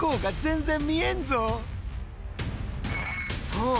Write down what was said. そう！